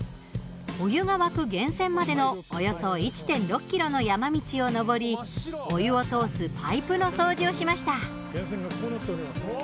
お湯が沸く源泉までのおよそ１．６ｋｍの山道を登りお湯を通すパイプの掃除をしました。